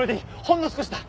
ほんの少しだ。